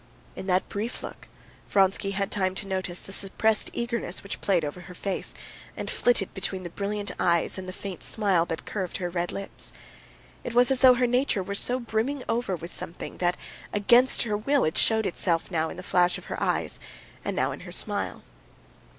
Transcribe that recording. In that brief look Vronsky had time to notice the suppressed eagerness which played over her face, and flitted between the brilliant eyes and the faint smile that curved her red lips. It was as though her nature were so brimming over with something that against her will it showed itself now in the flash of her eyes, and now in her smile.